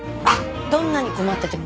「どんなに困ってても」